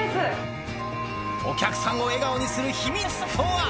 お客さんを笑顔にする秘密とは。